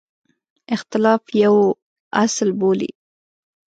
اختلاف یو اصل بولي.